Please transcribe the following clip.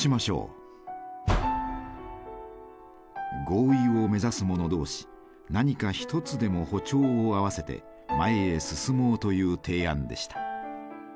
合意を目指す者同士何か一つでも歩調を合わせて前へ進もうという提案でした。